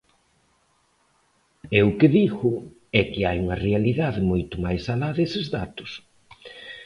Eu o que digo é que hai unha realidade moito máis alá deses datos.